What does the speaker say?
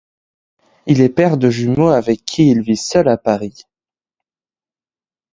Il est père de jumeaux avec qui il vit seul à Paris.